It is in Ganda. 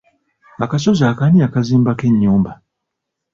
Akasozi ako ani yakazimbako ennyumba.